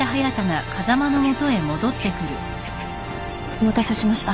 ・・お待たせしました。